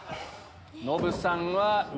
ノブさんは上。